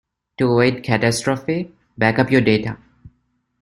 To avoid catastrophe, backup your data.